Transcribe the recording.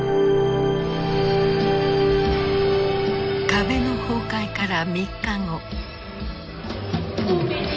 壁の崩壊から３日後。